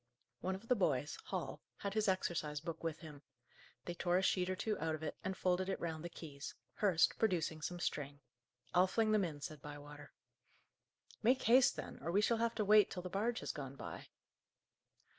One of the boys, Hall, had his exercise book with him. They tore a sheet or two out of it, and folded it round the keys, Hurst producing some string. "I'll fling them in," said Bywater. "Make haste, then, or we shall have to wait till the barge has gone by."